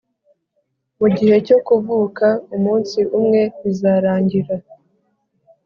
mugihe cyo kuvuka, umunsi umwe bizarangira,